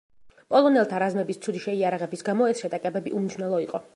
პოლონელთა რაზმების ცუდი შეიარაღების გამო ეს შეტაკებები უმნიშვნელო იყო.